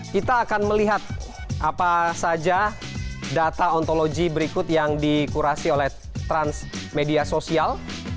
kita akan melihat apa saja data ontologi berikut yang dikurasi oleh transmedia sosial